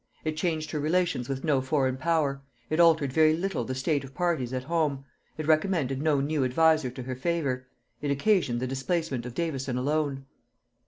It changed her relations with no foreign power, it altered very little the state of parties at home, it recommended no new adviser to her favor, it occasioned the displacement of Davison alone.